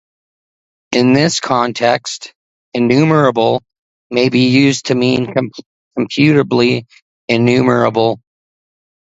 In this context, enumerable may be used to mean computably enumerable.